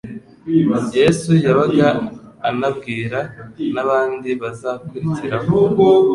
Yesu yabaga anabwira n'abandi bazakurikiraho,